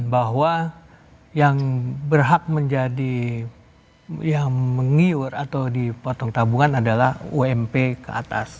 bahwa yang berhak menjadi yang mengiur atau dipotong tabungan adalah ump ke atas